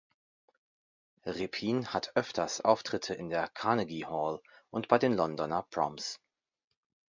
Repin hat öfters Auftritte in der Carnegie Hall und bei den Londoner Proms.